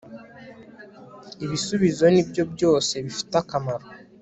ibisubizo nibyo byose bifite akamaro